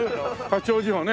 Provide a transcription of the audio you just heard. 八王子をね。